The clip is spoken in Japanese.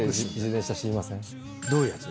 どういうやつ？